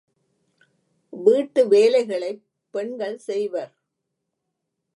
வீட்டு வேலைகளைப் பெண்கள் செய்வர்.